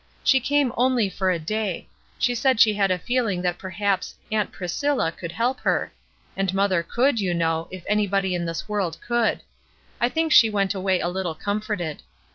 She came only for a day ; she said she had a feeling that perhaps 'Aunt Pris cilla' could help her; and mother could, you know, if anybody in this world could; I think she went away a little comforted.